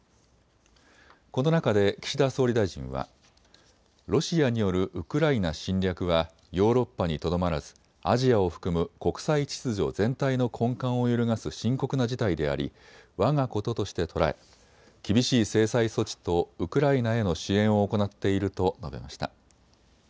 この中で岸田総理大臣はロシアによるウクライナ侵略はヨーロッパにとどまらず、アジアを含む国際秩序全体の根幹を揺るがす深刻な事態でありわが事として捉え、厳しい制裁措置とウクライナへの支援を行っていると述べました。